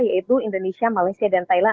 yaitu indonesia malaysia dan thailand